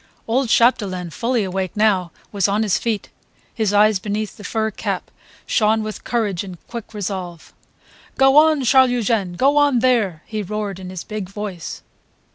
Old Chapdelaine, fully awake now, was on his feet; his eyes beneath the fur cap shone with courage and quick resolve. "Go on, Charles Eugene! Go on there!" he roared in his big voice.